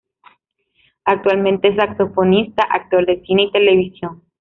Actualmente es saxofonista, actor de cine y televisión.